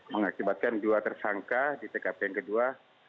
mengakibatkan dua tersangka di tkp yang kedua